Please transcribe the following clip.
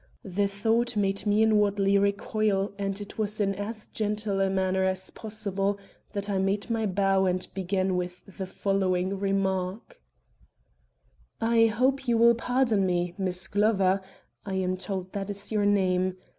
The thought made me inwardly recoil and it was in as gentle a manner as possible that I made my bow and began with the following remark: "I hope you will pardon me, Miss Glover I am told that is your name.